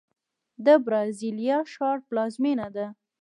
د برازیلیا ښار پلازمینه ده.